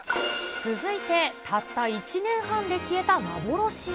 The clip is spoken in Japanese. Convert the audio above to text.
続いてたった１年半で消えた幻の。